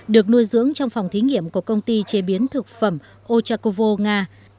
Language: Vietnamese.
được nuôi dưỡng trong phòng thí nghiệm của công ty chế biến thực phẩm ochakovo nga